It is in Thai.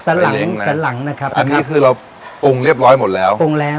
หลังสันหลังนะครับอันนี้คือเราองค์เรียบร้อยหมดแล้วองค์แล้ว